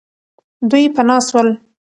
دوی پنا سول.